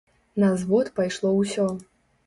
На звод пайшло ўсё.